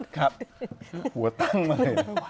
ครับหัวตั้งมาเลย